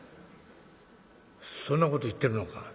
「そんなこと言ってるのか」。